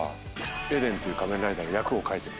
エデンっていう仮面ライダーの役を書いてくれて。